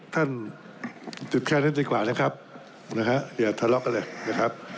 จุดแค่นั้นดีกว่านะครับนะฮะอย่าทะเลาะกันเลยนะครับ